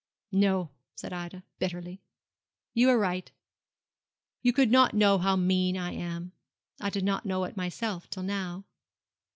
'No,' said Ida, bitterly. 'You are right. You could not know how mean I am. I did not know it myself till now.